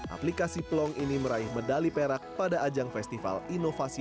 aplikasi plong ini meraih medali perak pada ajang festival inovasi